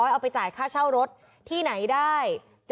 เอาไปจ่ายค่าเช่ารถที่ไหนได้